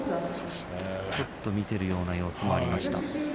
ちょっと見ているような様子がありました。